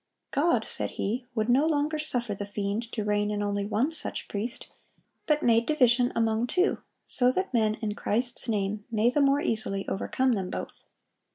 "God," said he, "would no longer suffer the fiend to reign in only one such priest, but ... made division among two, so that men, in Christ's name, may the more easily overcome them both."